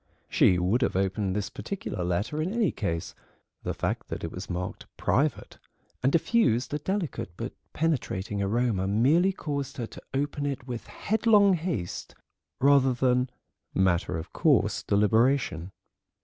She would have opened this particular letter in any case; the fact that it was marked "private," and diffused a delicate but penetrating aroma merely caused her to open it with headlong haste rather than matter of course deliberation.